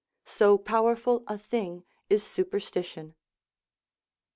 So powerful a thing is superstition.